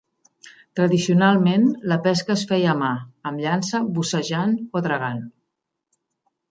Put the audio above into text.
Tradicionalment la pesca es feia a mà, amb llança, bussejant o dragant.